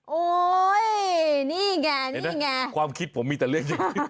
โอ๊ยนี่ไงนี่ไงความคิดผมมีแต่เรื่องนี้